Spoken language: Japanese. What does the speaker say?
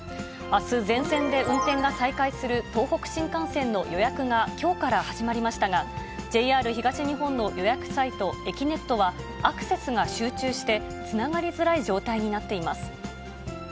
あす、全線で運転が再開する東北新幹線の予約がきょうから始まりましたが、ＪＲ東日本の予約サイト、えきねっとはアクセスが集中してつながりづらい状態になっています。